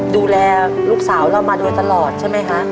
ดูแลลูกสาวเรามาโดยตลอดใช่ไหมคะ